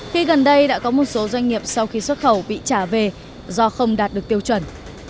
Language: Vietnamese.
khi gần đây đã có một số doanh nghiệp sau khi xuất khẩu bị trả về do không đạt được tiêu chuẩn